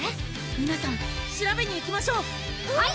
皆さん調べに行きましょうはい！